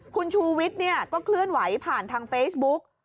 คุณชูวิทย์ก็เคลื่อนไหวผ่านทางเฟซบุ๊ก